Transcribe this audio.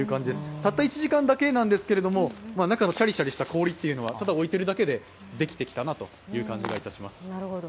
たった１時間だけですけど、中のシャリシャリした氷はただ置いてるだけでできてきたなという感じがいたします。